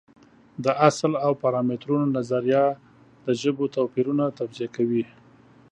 د اصل او پارامترونو نظریه د ژبو توپیرونه توضیح کوي.